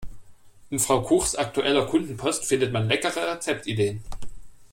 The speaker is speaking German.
In Frau Kuchs aktueller Kundenpost findet man leckere Rezeptideen.